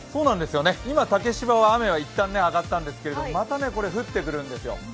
今竹芝は雨は一旦あがったんですがまた降って来るんですよ。